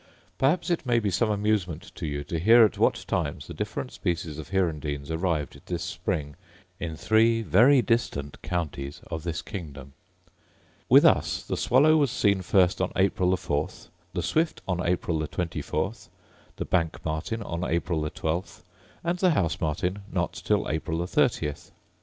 Perhaps it may be some amusement to you to hear at what times the different species of hirundines arrived this spring in three very distant counties of this kingdom. With us the swallow was seen first on April the 4th, the swift on April the 24th, the bank martin on April the 12th, and the house martin not till April the 30th.